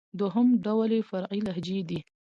دوهم ډول ئې فرعي لهجې دئ.